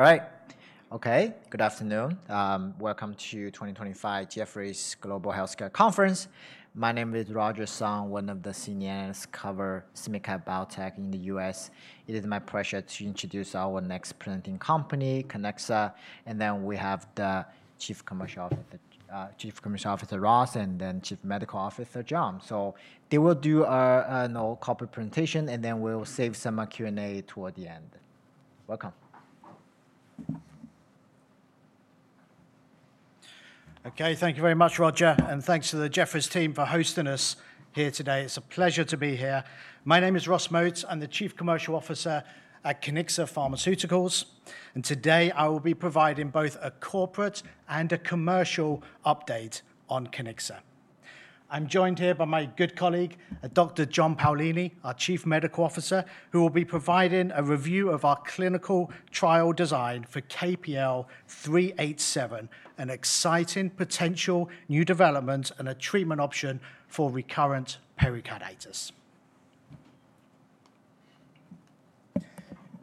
There you go. All right. Okay. Good afternoon. Welcome to the 2025 Jefferies Global Healthcare Conference. My name is Roger Song, one of the senior analysts covering SMid-cap biotech in the U.S. It is my pleasure to introduce our next presenting company, Kiniksa. And then we have the Chief Commercial Officer, Ross, and then Chief Medical Officer, John. They will do a no [corporate] presentation, and then we'll save some Q&A toward the end. Welcome. Okay. Thank you very much, Roger. Thank you to the Jefferies team for hosting us here today. It's a pleasure to be here. My name is Ross Moat. I'm the Chief Commercial Officer at Kiniksa Pharmaceuticals. Today I will be providing both a corporate and a commercial update on Kiniksa. I'm joined here by my good colleague, Dr. John Paolini, our Chief Medical Officer, who will be providing a review of our clinical trial design for KPL-387, an exciting potential new development and a treatment option for recurrent pericarditis.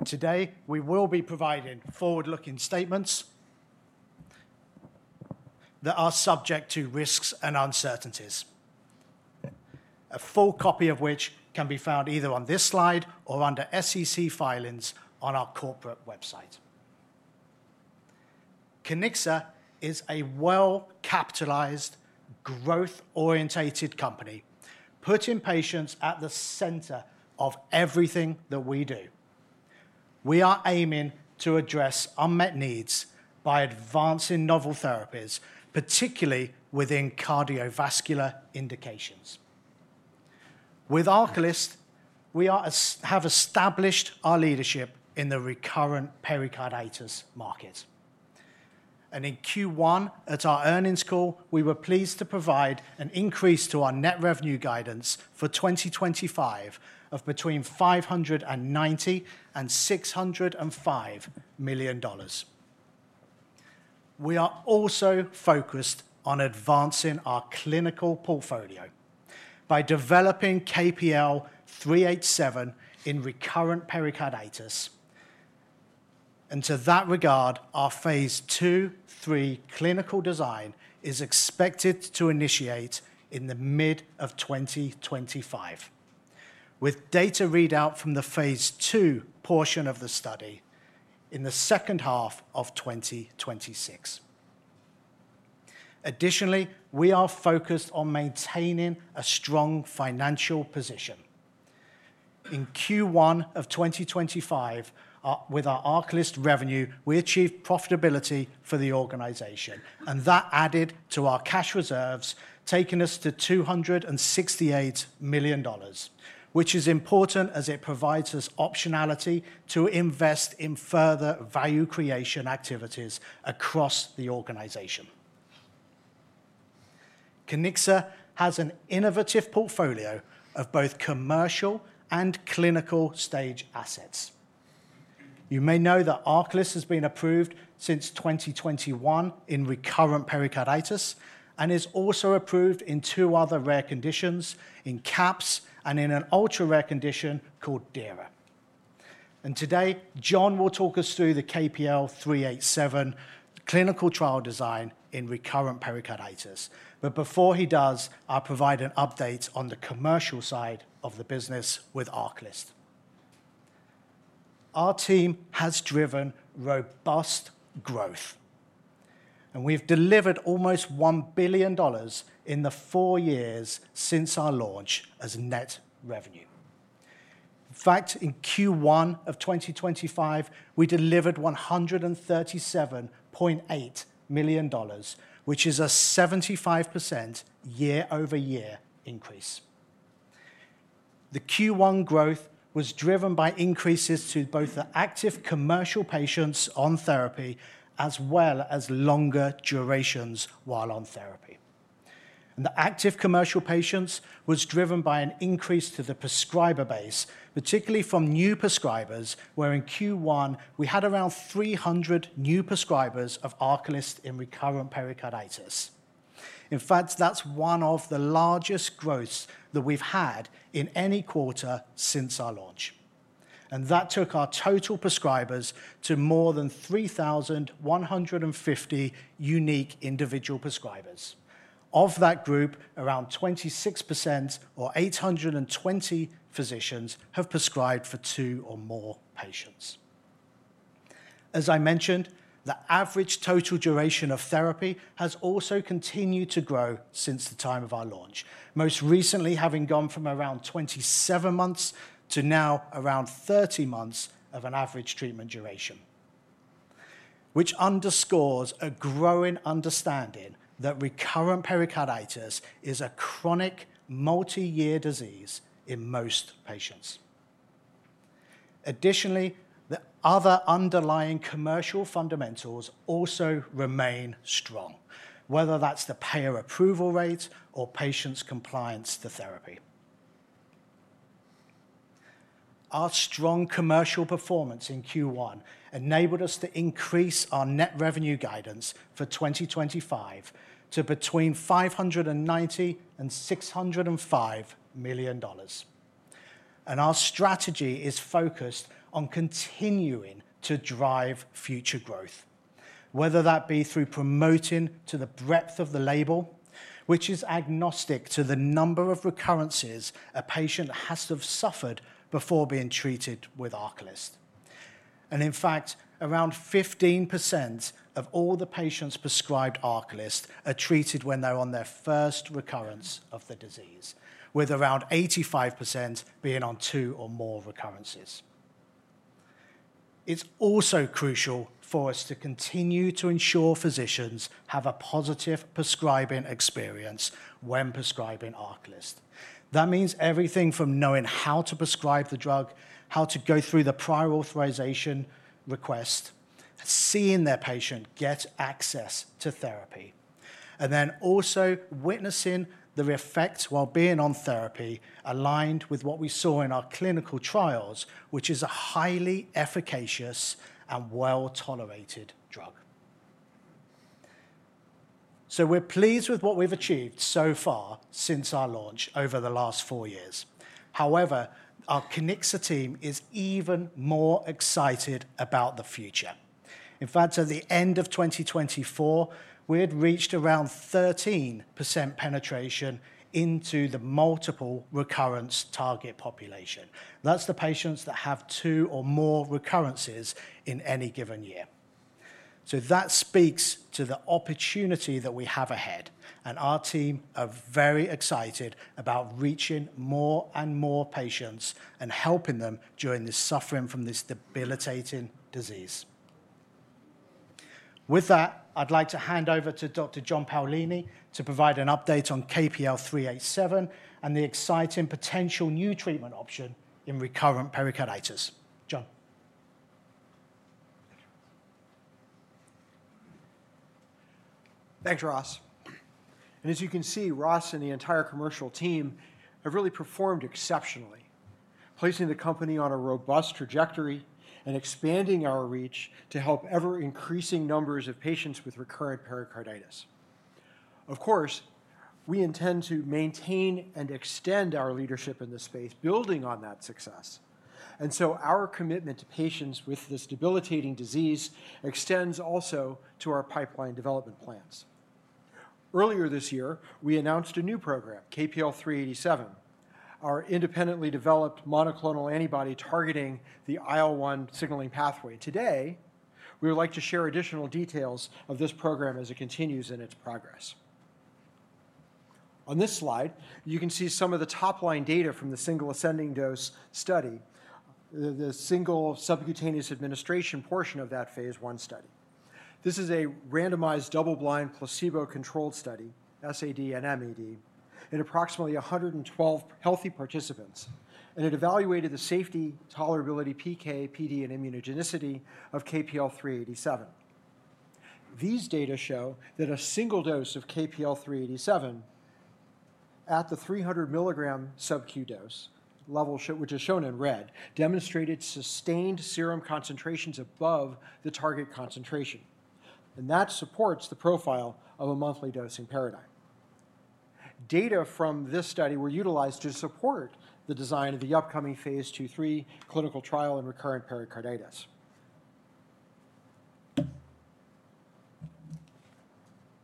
Today, we will be providing forward-looking statements that are subject to risks and uncertainties, a full copy of which can be found either on this slide or under SEC filings on our corporate website. Kiniksa is a well-capitalized, growth-oriented company putting patients at the center of everything that we do. We are aiming to address unmet needs by advancing novel therapies, particularly within cardiovascular indications. With ARCALYST, we have established our leadership in the recurrent pericarditis market. In Q1 at our earnings call, we were pleased to provide an increase to our net revenue guidance for 2025 of between $590 million and $605 million. We are also focused on advancing our clinical portfolio by developing KPL-387 in recurrent pericarditis. To that regard, our phase II/III, clinical design is expected to initiate in the middle of 2025, with data readout from the phase II portion of the study in the second half of 2026. Additionally, we are focused on maintaining a strong financial position. In Q1 of 2025, with our ARCALYST revenue, we achieved profitability for the organization, and that added to our cash reserves, taking us to $268 million, which is important as it provides us optionality to invest in further value creation activities across the organization. Kiniksa has an innovative portfolio of both commercial and clinical stage assets. You may know that ARCALYST has been approved since 2021 in recurrent pericarditis and is also approved in two other rare conditions, in CAPS and in an ultra-rare condition called DIRA. Today, John will talk us through the KPL-387 clinical trial design in recurrent pericarditis. Before he does, I'll provide an update on the commercial side of the business with ARCALYST. Our team has driven robust growth, and we've delivered almost $1 billion in the four years since our launch as net revenue. In fact, in Q1 of 2025, we delivered $137.8 million, which is a 75% year-over-year increase. The Q1 growth was driven by increases to both the active commercial patients on therapy as well as longer durations while on therapy. The active commercial patients were driven by an increase to the prescriber base, particularly from new prescribers, where in Q1 we had around 300 new prescribers of ARCALYST in recurrent pericarditis. In fact, that is one of the largest growths that we have had in any quarter since our launch. That took our total prescribers to more than 3,150 unique individual prescribers. Of that group, around 26% or 820 physicians have prescribed for two or more patients. As I mentioned, the average total duration of therapy has also continued to grow since the time of our launch, most recently having gone from around 27 months to now around 30 months of an average treatment duration, which underscores a growing understanding that recurrent pericarditis is a chronic multi-year disease in most patients. Additionally, the other underlying commercial fundamentals also remain strong, whether that's the payer approval rate or patients' compliance to therapy. Our strong commercial performance in Q1 enabled us to increase our net revenue guidance for 2025 to between $590 million and $605 million. Our strategy is focused on continuing to drive future growth, whether that be through promoting to the breadth of the label, which is agnostic to the number of recurrences a patient has to have suffered before being treated with ARCALYST. In fact, around 15% of all the patients prescribed ARCALYST are treated when they're on their first recurrence of the disease, with around 85% being on two or more recurrences. It is also crucial for us to continue to ensure physicians have a positive prescribing experience when prescribing ARCALYST. That means everything from knowing how to prescribe the drug, how to go through the prior authorization request, seeing their patient get access to therapy, and then also witnessing the effects while being on therapy aligned with what we saw in our clinical trials, which is a highly efficacious and well-tolerated drug. We are pleased with what we've achieved so far since our launch over the last four years. However, our Kiniksa team is even more excited about the future. In fact, at the end of 2024, we had reached around 13% penetration into the multiple recurrence target population. That's the patients that have two or more recurrences in any given year. That speaks to the opportunity that we have ahead. Our team are very excited about reaching more and more patients and helping them during this suffering from this debilitating disease. With that, I'd like to hand over to Dr. John Paolini to provide an update on KPL-387 and the exciting potential new treatment option in recurrent pericarditis. John. Thanks, Ross. As you can see, Ross and the entire commercial team have really performed exceptionally, placing the company on a robust trajectory and expanding our reach to help ever-increasing numbers of patients with recurrent pericarditis. Of course, we intend to maintain and extend our leadership in this space, building on that success. Our commitment to patients with this debilitating disease extends also to our pipeline development plans. Earlier this year, we announced a new program, KPL-387, our independently developed monoclonal antibody targeting the IL-1 signaling pathway. Today, we would like to share additional details of this program as it continues in its progress. On this slide, you can see some of the top-line data from the single ascending dose study, the single subcutaneous administration portion of that phase one study. This is a randomized double-blind placebo-controlled study, SAD and MAD, in approximately 112 healthy participants. It evaluated the safety, tolerability, PK, PD, and immunogenicity of KPL-387. These data show that a single dose of KPL-387 at the 300 mg subcu dose level, which is shown in red, demonstrated sustained serum concentrations above the target concentration. That supports the profile of a monthly dosing paradigm. Data from this study were utilized to support the design of the upcoming phase II/III clinical trial in recurrent pericarditis.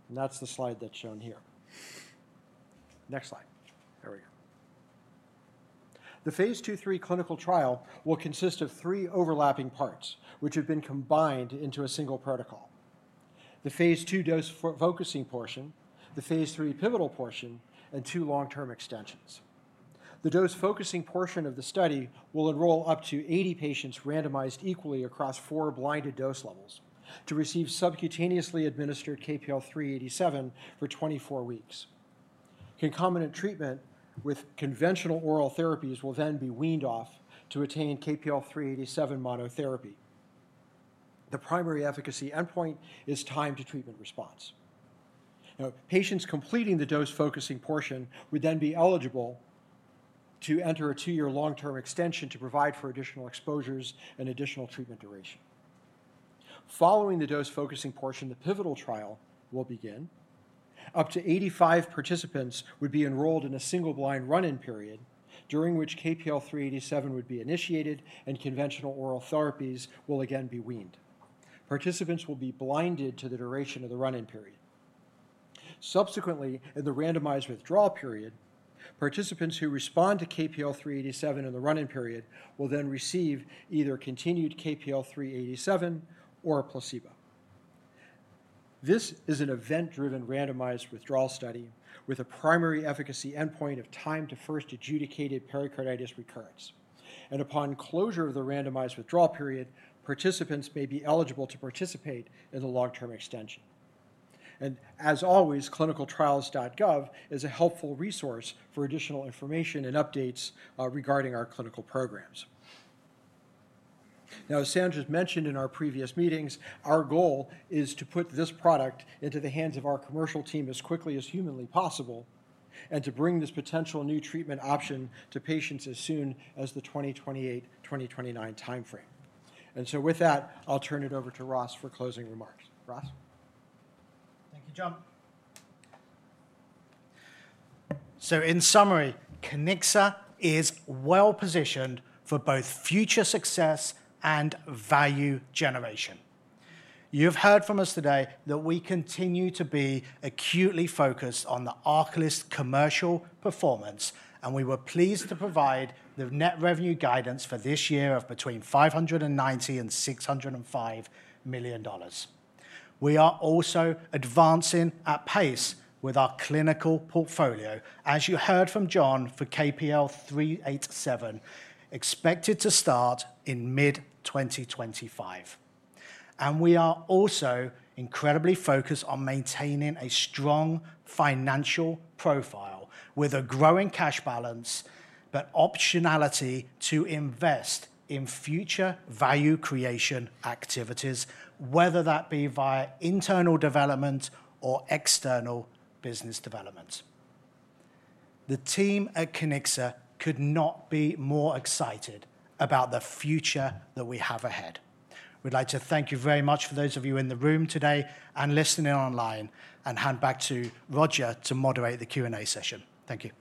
That is the slide that is shown here. Next slide. There we go. The phase II/III clinical trial will consist of three overlapping parts, which have been combined into a single protocol: the phase II dose focusing portion, the phase III pivotal portion, and two long-term extensions. The dose focusing portion of the study will enroll up to 80 patients randomized equally across four blinded dose levels to receive subcutaneously administered KPL-387 for 24 weeks. Concomitant treatment with conventional oral therapies will then be weaned off to attain KPL-387 monotherapy. The primary efficacy endpoint is time to treatment response. Now, patients completing the dose focusing portion would then be eligible to enter a two-year long-term extension to provide for additional exposures and additional treatment duration. Following the dose focusing portion, the pivotal trial will begin. Up to 85 participants would be enrolled in a single-blind run-in period, during which KPL-387 would be initiated, and conventional oral therapies will again be weaned. Participants will be blinded to the duration of the run-in period. Subsequently, in the randomized withdrawal period, participants who respond to KPL-387 in the run-in period will then receive either continued KPL-387 or a placebo. This is an event-driven randomized withdrawal study with a primary efficacy endpoint of time to first adjudicated pericarditis recurrence. Upon closure of the randomized withdrawal period, participants may be eligible to participate in the long-term extension. As always, ClinicalTrials.gov is a helpful resource for additional information and updates regarding our clinical programs. As Sandra mentioned in our previous meetings, our goal is to put this product into the hands of our commercial team as quickly as humanly possible and to bring this potential new treatment option to patients as soon as the 2028-2029 timeframe. With that, I'll turn it over to Ross for closing remarks. Ross. Thank you, John. In summary, Kiniksa is well-positioned for both future success and value generation. You've heard from us today that we continue to be acutely focused on the ARCALYST commercial performance, and we were pleased to provide the net revenue guidance for this year of between $590-$605 million. We are also advancing at pace with our clinical portfolio, as you heard from John for KPL-387, expected to start in mid-2025. We are also incredibly focused on maintaining a strong financial profile with a growing cash balance, but optionality to invest in future value creation activities, whether that be via internal development or external business development. The team at Kiniksa could not be more excited about the future that we have ahead. We'd like to thank you very much for those of you in the room today and listening online, and hand back to Roger to moderate the Q&A session. Thank you.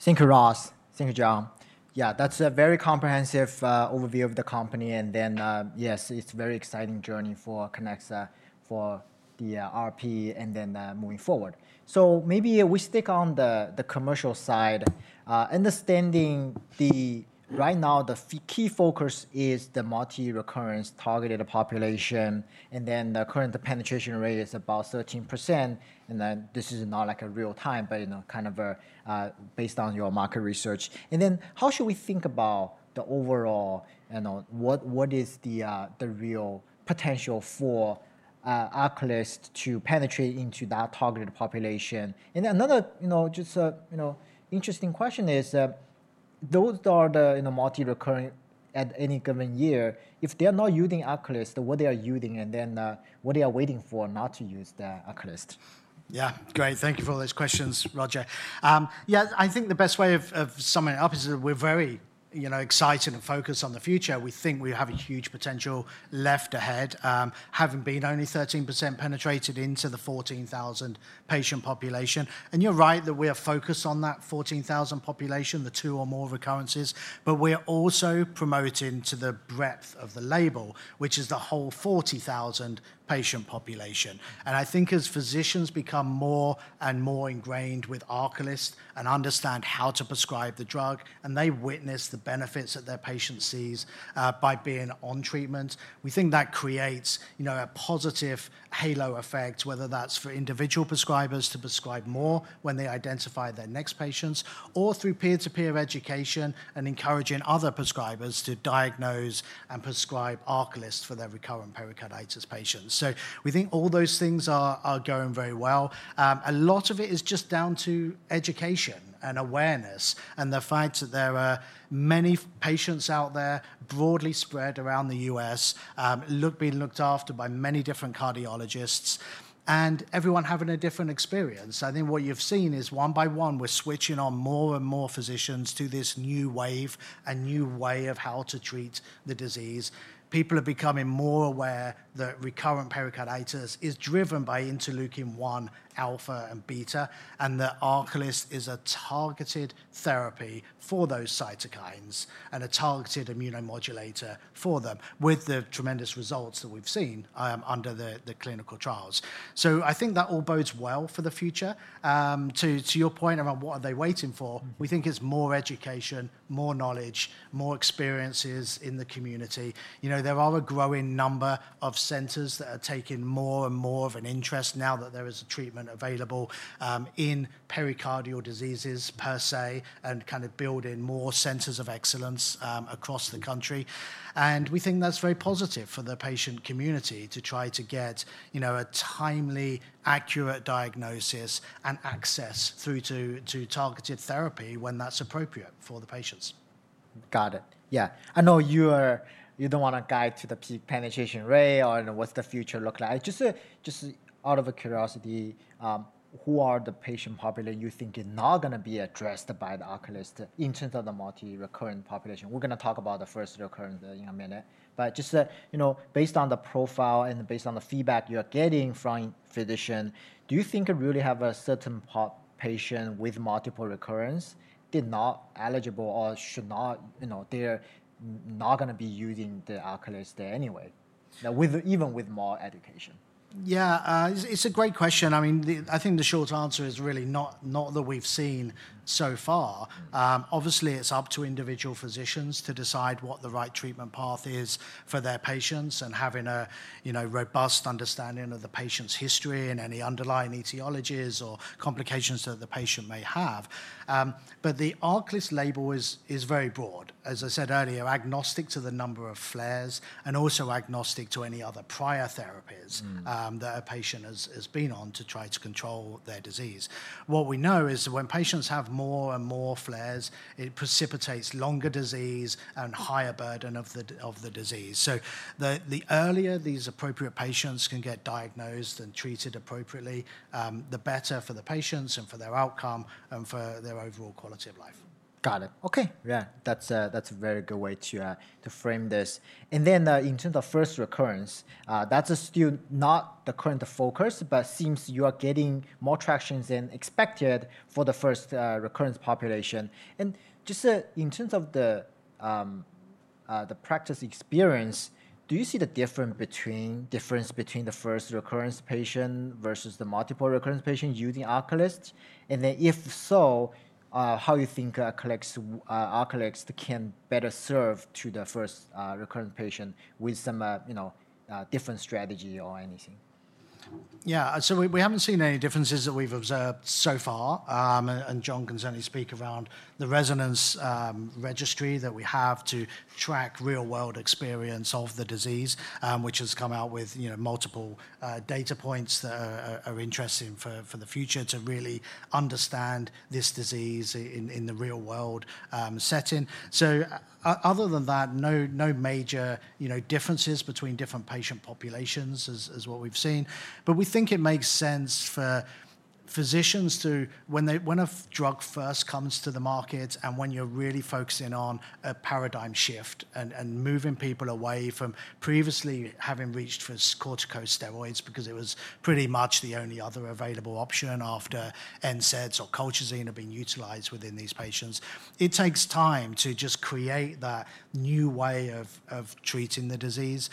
Thank you, Ross. Thank you, John. Yeah, that's a very comprehensive overview of the company. Yes, it's a very exciting journey for Kiniksa for the RP and then moving forward. Maybe we stick on the commercial side. Understanding the right now, the key focus is the multi-recurrence targeted population, and then the current penetration rate is about 13%. This is not like a real time, but kind of based on your market research. How should we think about the overall, what is the real potential for ARCALYST to penetrate into that targeted population? Another just interesting question is, those are the multi-recurrent at any given year, if they are not using ARCALYST, what they are using, and then what they are waiting for not to use the ARCALYST. Yeah, great. Thank you for all those questions, Roger. Yeah, I think the best way of summing it up is that we're very excited and focused on the future. We think we have a huge potential left ahead, having been only 13% penetrated into the 14,000 patient population. You're right that we are focused on that 14,000 population, the two or more recurrences, but we're also promoting to the breadth of the label, which is the whole 40,000 patient population. I think as physicians become more and more ingrained with ARCALYST and understand how to prescribe the drug, and they witness the benefits that their patient sees by being on treatment, we think that creates a positive halo effect, whether that's for individual prescribers to prescribe more when they identify their next patients, or through peer-to-peer education and encouraging other prescribers to diagnose and prescribe ARCALYST for their recurrent pericarditis patients. We think all those things are going very well. A lot of it is just down to education and awareness and the fact that there are many patients out there broadly spread around the U.S being looked after by many different cardiologists and everyone having a different experience. I think what you've seen is one by one, we're switching on more and more physicians to this new wave and new way of how to treat the disease. People are becoming more aware that recurrent pericarditis is driven by interleukin-1 alpha and beta, and that ARCALYST is a targeted therapy for those cytokines and a targeted immunomodulator for them with the tremendous results that we've seen under the clinical trials. I think that all bodes well for the future. To your point around what are they waiting for, we think it's more education, more knowledge, more experiences in the community. There are a growing number of centers that are taking more and more of an interest now that there is a treatment available in pericardial diseases per se and kind of building more centers of excellence across the country. We think that's very positive for the patient community to try to get a timely, accurate diagnosis and access through to targeted therapy when that's appropriate for the patients. Got it. Yeah. I know you don't want to guide to the peak penetration rate or what's the future look like. Just out of curiosity, who are the patient population you think is not going to be addressed by the ARCALYST in terms of the multi-recurrent population? We're going to talk about the first recurrent in a minute. Just based on the profile and based on the feedback you're getting from physicians, do you think it really has a certain patient with multiple recurrence not eligible or should not, they're not going to be using the ARCALYST anyway, even with more education? Yeah, it's a great question. I mean, I think the short answer is really not that we've seen so far. Obviously, it's up to individual physicians to decide what the right treatment path is for their patients and having a robust understanding of the patient's history and any underlying etiologies or complications that the patient may have. But the ARCALYST label is very broad. As I said earlier, agnostic to the number of flares and also agnostic to any other prior therapies that a patient has been on to try to control their disease. What we know is when patients have more and more flares, it precipitates longer disease and higher burden of the disease. The earlier these appropriate patients can get diagnosed and treated appropriately, the better for the patients and for their outcome and for their overall quality of life. Got it. Okay. Yeah, that's a very good way to frame this. In terms of first recurrence, that's still not the current focus, but seems you are getting more traction than expected for the first recurrence population. Just in terms of the practice experience, do you see the difference between the first recurrence patient versus the multiple recurrence patient using ARCALYST? If so, how do you think ARCALYST can better serve the first recurrent patient with some different strategy or anything? Yeah, we haven't seen any differences that we've observed so far. John can certainly speak around the resonance registry that we have to track real-world experience of the disease, which has come out with multiple data points that are interesting for the future to really understand this disease in the real-world setting. Other than that, no major differences between different patient populations is what we've seen. We think it makes sense for physicians to, when a drug first comes to the market and when you're really focusing on a paradigm shift and moving people away from previously having reached for corticosteroids because it was pretty much the only other available option after NSAIDs or colchicine have been utilized within these patients, it takes time to just create that new way of treating the disease.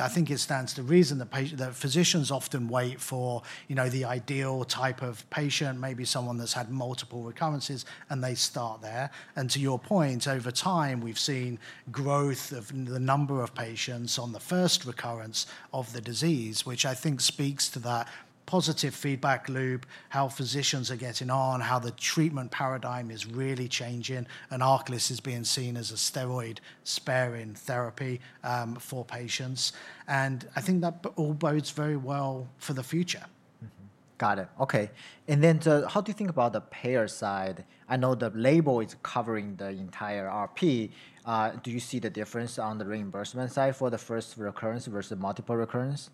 I think it stands to reason that physicians often wait for the ideal type of patient, maybe someone that's had multiple recurrences, and they start there. To your point, over time, we've seen growth of the number of patients on the first recurrence of the disease, which I think speaks to that positive feedback loop, how physicians are getting on, how the treatment paradigm is really changing, and ARCALYST is being seen as a steroid-sparing therapy for patients. I think that all bodes very well for the future. Got it. Okay. How do you think about the payer side? I know the label is covering the entire RP. Do you see the difference on the reimbursement side for the first recurrence versus multiple recurrence?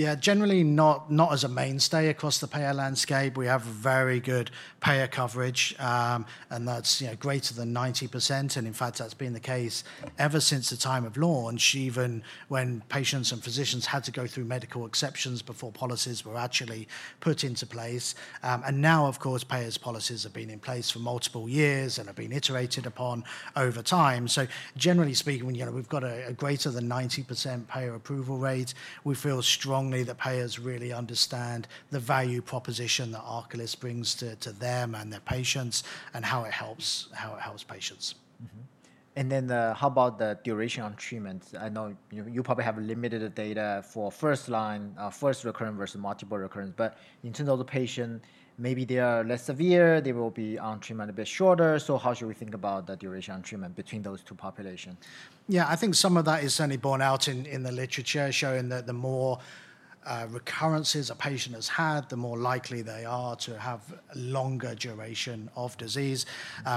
Yeah, generally not as a mainstay across the payer landscape. We have very good payer coverage, and that's greater than 90%. In fact, that's been the case ever since the time of launch, even when patients and physicians had to go through medical exceptions before policies were actually put into place. Now, of course, payers' policies have been in place for multiple years and have been iterated upon over time. Generally speaking, we've got a greater than 90% payer approval rate. We feel strongly that payers really understand the value proposition that ARCALYST brings to them and their patients and how it helps patients. How about the duration on treatment? I know you probably have limited data for first recurrent versus multiple recurrent, but in terms of the patient, maybe they are less severe, they will be on treatment a bit shorter. How should we think about the duration on treatment between those two populations? Yeah, I think some of that is certainly borne out in the literature showing that the more recurrences a patient has had, the more likely they are to have a longer duration of disease.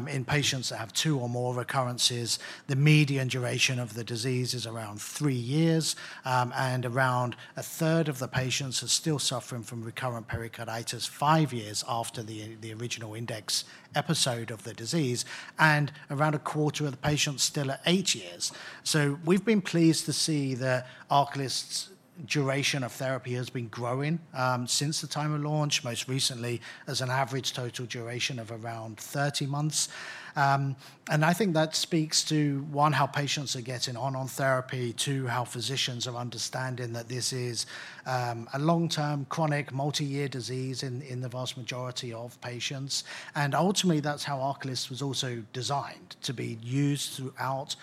In patients that have two or more recurrences, the median duration of the disease is around three years, and around a third of the patients are still suffering from recurrent pericarditis five years after the original index episode of the disease, and around a quarter of the patients still at eight years. We have been pleased to see that ARCALYST's duration of therapy has been growing since the time of launch, most recently as an average total duration of around 30 months. I think that speaks to, one, how patients are getting on on therapy, two, how physicians are understanding that this is a long-term chronic multi-year disease in the vast majority of patients. Ultimately, that's how ARCALYST was also designed to be used throughout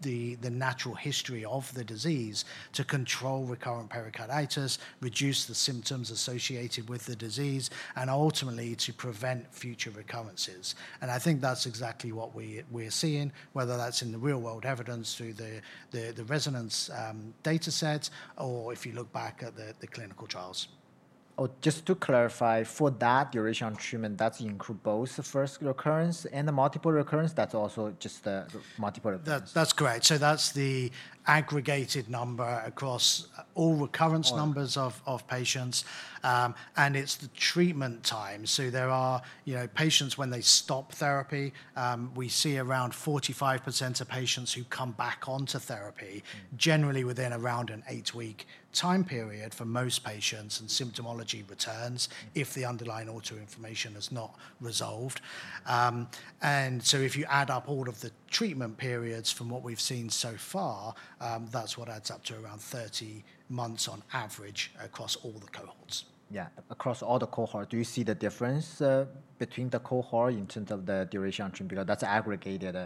the natural history of the disease to control recurrent pericarditis, reduce the symptoms associated with the disease, and ultimately to prevent future recurrences. I think that's exactly what we're seeing, whether that's in the real-world evidence through the RESONANCE data set or if you look back at the clinical trials. Just to clarify, for that duration on treatment, that's to include both the first recurrence and the multiple recurrence? That's also just the multiple recurrence. That's great. That's the aggregated number across all recurrence numbers of patients, and it's the treatment time. There are patients when they stop therapy, we see around 45% of patients who come back onto therapy, generally within around an eight-week time period for most patients, and symptomology returns if the underlying autoinflammation has not resolved. If you add up all of the treatment periods from what we've seen so far, that's what adds up to around 30 months on average across all the cohorts. Yeah, across all the cohorts, do you see the difference between the cohorts in terms of the duration on treatment? Because that's aggregated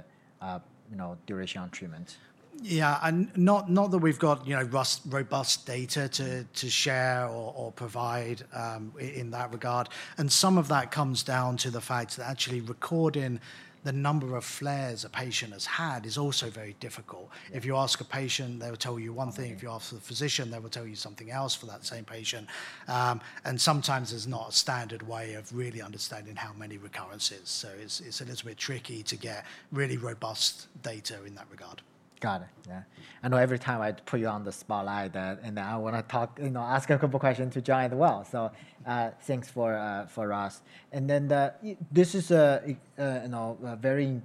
duration on treatment. Yeah, and not that we've got robust data to share or provide in that regard. Some of that comes down to the fact that actually recording the number of flares a patient has had is also very difficult. If you ask a patient, they will tell you one thing. If you ask the physician, they will tell you something else for that same patient. Sometimes there's not a standard way of really understanding how many recurrences. It's a little bit tricky to get really robust data in that regard. Got it. Yeah. I know every time I put you on the spotlight, and I want to ask a couple of questions to John as well. Thanks for Ross. This is a very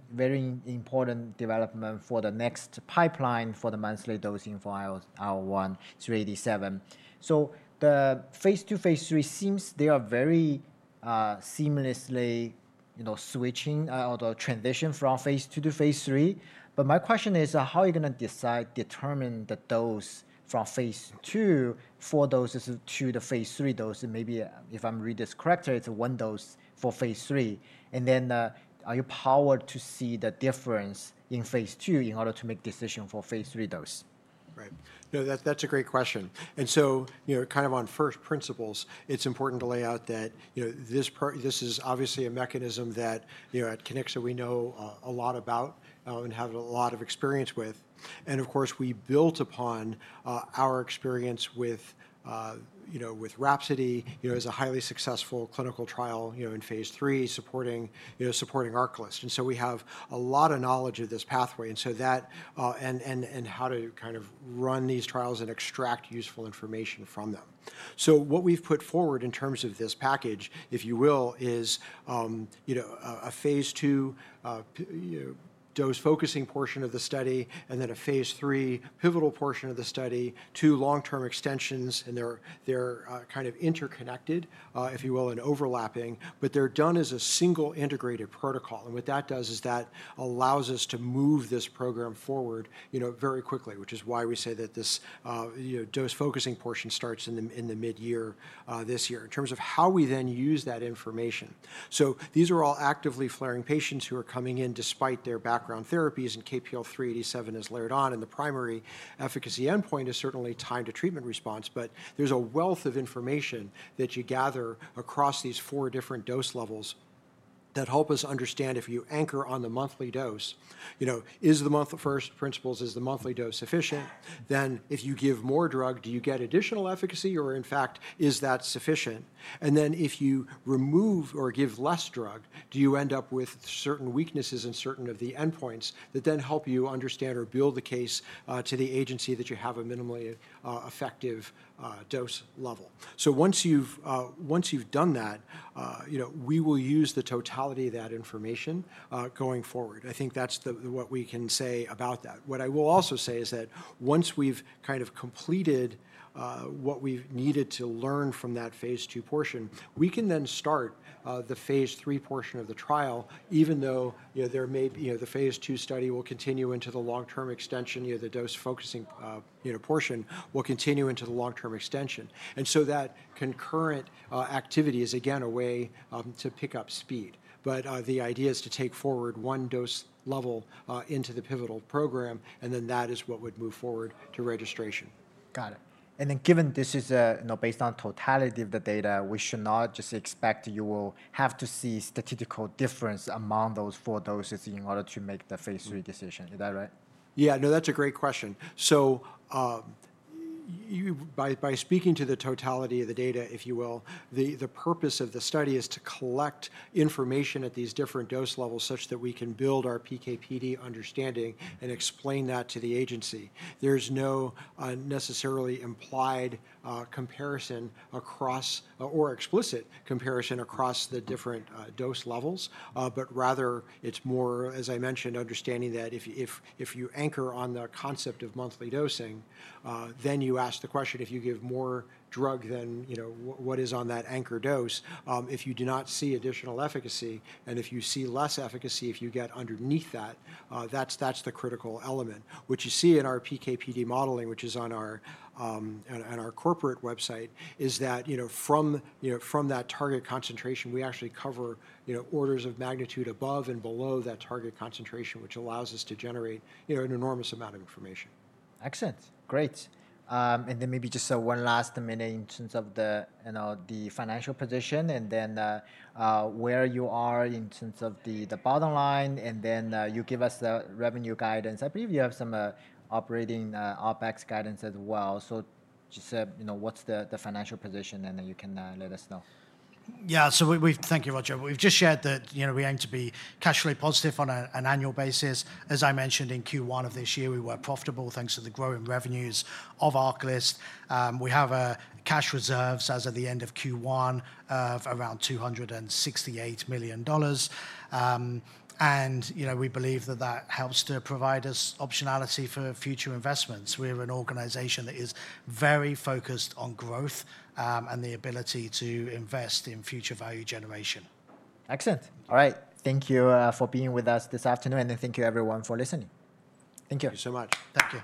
important development for the next pipeline for the monthly dosing for KPL-387. The phase II, phase III seems they are very seamlessly switching or the transition from phase II to phase III. My question is, how are you going to determine the dose from phase II for those to the phase III dose? Maybe if I'm reading this correctly, it's one dose for phase III. Are you powered to see the difference in phase II in order to make a decision for phase III dose? Right. No, that's a great question. Kind of on first principles, it's important to lay out that this is obviously a mechanism that at Kiniksa, we know a lot about and have a lot of experience with. Of course, we built upon our experience with RHAPSODY as a highly successful clinical trial in phase III supporting ARCALYST. We have a lot of knowledge of this pathway and how to kind of run these trials and extract useful information from them. What we've put forward in terms of this package, if you will, is a phase II dose-focusing portion of the study and then a phase III pivotal portion of the study, two long-term extensions, and they're kind of interconnected, if you will, and overlapping, but they're done as a single integrated protocol. What that does is that allows us to move this program forward very quickly, which is why we say that this dose-focusing portion starts in the mid-year this year in terms of how we then use that information. These are all actively flaring patients who are coming in despite their background therapies and KPL-387 is layered on. The primary efficacy endpoint is certainly time to treatment response, but there is a wealth of information that you gather across these four different dose levels that help us understand if you anchor on the monthly dose, is the first principles, is the monthly dose sufficient? If you give more drug, do you get additional efficacy? Or in fact, is that sufficient? If you remove or give less drug, do you end up with certain weaknesses in certain of the endpoints that then help you understand or build the case to the agency that you have a minimally effective dose level? Once you've done that, we will use the totality of that information going forward. I think that's what we can say about that. What I will also say is that once we've kind of completed what we've needed to learn from that phase II portion, we can then start the phase III portion of the trial, even though the phase II study will continue into the long-term extension, the dose-focusing portion will continue into the long-term extension. That concurrent activity is again a way to pick up speed. The idea is to take forward one dose level into the pivotal program, and then that is what would move forward to registration. Got it. And then given this is based on totality of the data, we should not just expect you will have to see statistical difference among those four doses in order to make the phase III decision. Is that right? Yeah, no, that's a great question. By speaking to the totality of the data, if you will, the purpose of the study is to collect information at these different dose levels such that we can build our PK/PD understanding and explain that to the agency. There's no necessarily implied comparison across or explicit comparison across the different dose levels, but rather it's more, as I mentioned, understanding that if you anchor on the concept of monthly dosing, then you ask the question, if you give more drug than what is on that anchor dose, if you do not see additional efficacy, and if you see less efficacy, if you get underneath that, that's the critical element. What you see in our PK/PD modeling, which is on our corporate website, is that from that target concentration, we actually cover orders of magnitude above and below that target concentration, which allows us to generate an enormous amount of information. Excellent. Great. Maybe just one last minute in terms of the financial position and then where you are in terms of the bottom line, and then you give us the revenue guidance. I believe you have some operating OpEx guidance as well. Just what's the financial position, and then you can let us know. Yeah, thank you, Roger. We've just shared that we aim to be cash flow positive on an annual basis. As I mentioned in Q1 of this year, we were profitable thanks to the growing revenues of ARCALYST. We have cash reserves as of the end of Q1 of around $268 million. We believe that that helps to provide us optionality for future investments. We're an organization that is very focused on growth and the ability to invest in future value generation. Excellent. All right. Thank you for being with us this afternoon, and thank you everyone for listening. Thank you. Thank you so much. Thank you.